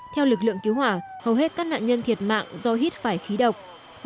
theo lực lượng cứu hỏa hầu hết các nạn nhân thiệt mạng do hít phải khí độc